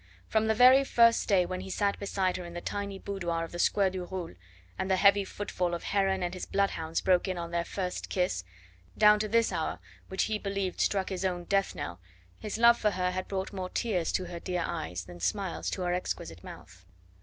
From the very first day when he sat beside her in the tiny boudoir of the Square du Roule, and the heavy foot fall of Heron and his bloodhounds broke in on their first kiss, down to this hour which he believed struck his own death knell, his love for her had brought more tears to her dear eyes than smiles to her exquisite mouth.